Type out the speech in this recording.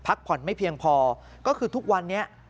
เพราะคนที่เป็นห่วงมากก็คุณพ่อคุณแม่ครับ